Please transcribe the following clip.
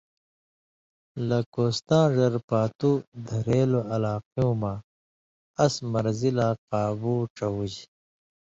لہ کوستاں ڙر پاتُو دھریلیۡ علاقیُوں مہ اس مرضی لا قابُو ڇوُژ۔